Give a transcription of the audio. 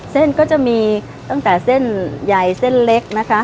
เส้นก็จะมีตั้งแต่เส้นใหญ่เส้นเล็กนะคะ